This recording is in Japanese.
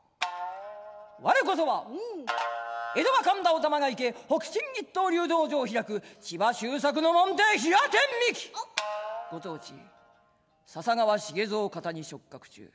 われこそは江戸は神田お玉が池北辰一刀流道場を開く千葉周作の門弟平手造酒ご当地笹川繁蔵方に食客中。